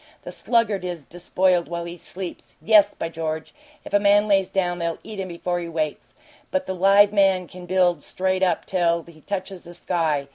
The sluggard is despoiled while he sleeps yes, by George! if a man lays down they'll eat him before he wakes! but the live man can build straight up till he touches the sky!